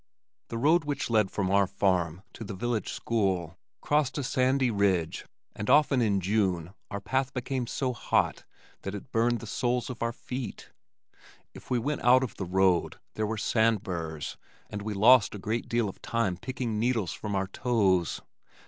The road which led from our farm to the village school crossed a sandy ridge and often in June our path became so hot that it burned the soles of our feet. If we went out of the road there were sand burrs and we lost a great deal of time picking needles from our toes.